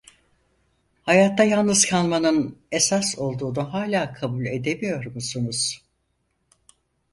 Hayatta yalnız kalmanın esas olduğunu hâlâ kabul edemiyor musunuz?